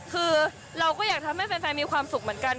คือเราก็อยากทำให้แฟนมีความสุขเหมือนกัน